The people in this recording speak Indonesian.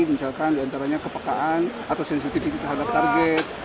misalkan diantaranya kepekaan atau sensitivitas terhadap target